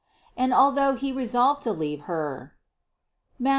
And although he resolved to leave Her (Matth.